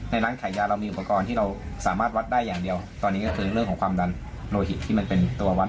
ร้านขายยาเรามีอุปกรณ์ที่เราสามารถวัดได้อย่างเดียวตอนนี้ก็คือเรื่องของความดันโลหิตที่มันเป็นตัววัด